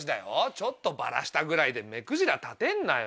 ちょっとバラしたぐらいで目くじら立てんなよ。